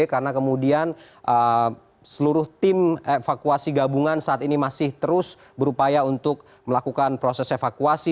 karena kemudian seluruh tim evakuasi gabungan saat ini masih terus berupaya untuk melakukan proses evakuasi